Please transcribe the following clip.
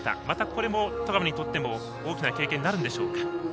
またこれも戸上にとっても大きな経験になるでしょうか。